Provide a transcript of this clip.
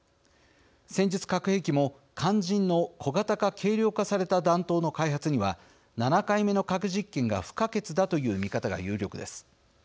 戦術核兵器も肝心の小型化・軽量化された弾頭の開発には７回目の核実験が不可欠だという見方が有力です。